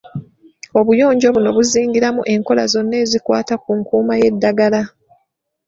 Obuyonjo buno buzingiramu enkola zonna ekikwata ku nkuuma y'eddagala.